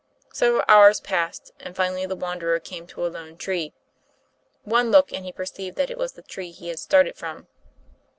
Several hours passed, and finally the wanderer came to a lone tree. One look, and he perceived that it was the tree he had started from.